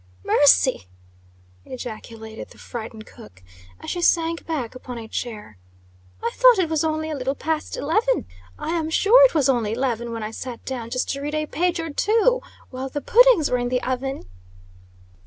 "Mercy!" ejaculated the frightened cook, as she sank back upon a chair; "I thought it was only a little past eleven. I am sure it was only eleven when I sat down just to read a page or two while the puddings were in the oven!"